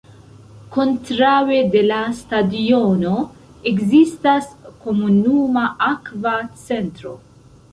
Kontraŭe de la stadiono, ekzistas komunuma akva centro.